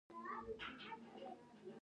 میراث د خور حق دی.